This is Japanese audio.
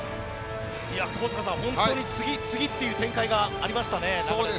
高阪さん、本当に次、次という展開がありましたね。